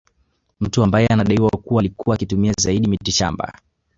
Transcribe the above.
Mtu ambaye anadaiwa kuwa alikuwa akitumia zaidi mitishamba